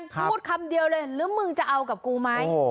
พูดคำเดียวเลยหรือมึงจะเอากับกูไหม